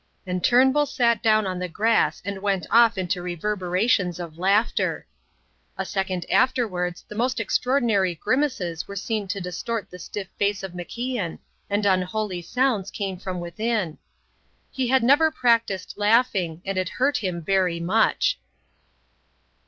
And Turnbull sat down on the grass and went off into reverberations of laughter. A second afterwards the most extraordinary grimaces were seen to distort the stiff face of MacIan, and unholy sounds came from within. He had never practised laughing, and it hurt him very much.